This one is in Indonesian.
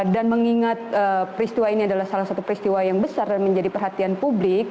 dan mengingat peristiwa ini adalah salah satu peristiwa yang besar dan menjadi perhatian publik